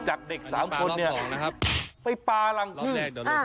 จากเด็กสามคนเนี่ยไปปลาหลังพึ่ง